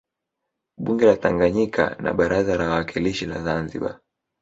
Bunge la Tanganyika na Baraza la Wawakilishi la Zanzibar